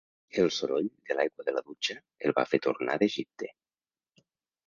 El soroll de l'aigua de la dutxa el va fer tornar d'Egipte.